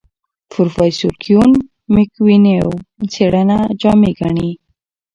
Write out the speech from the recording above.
پروفیسر کیون میکونوی څېړنه جامع ګڼي.